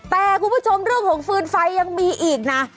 แต่คุณผู้ชมเรื่องของฟืนไฟยังมีอีกนะ